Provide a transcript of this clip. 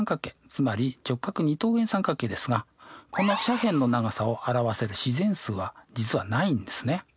つまり直角二等辺三角形ですがこの斜辺の長さを表せる自然数は実はないんですね。